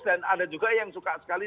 dan ada juga yang suka sekali